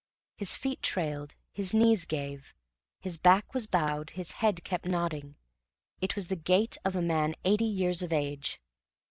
His feet trailed, his knees gave, his back was bowed, his head kept nodding; it was the gait of a man eighty years of age.